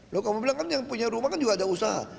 loh kamu bilang kan yang punya rumah kan juga ada usaha